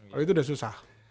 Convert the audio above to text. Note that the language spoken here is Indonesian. kalau itu sudah susah